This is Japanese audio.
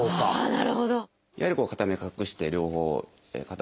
なるほど。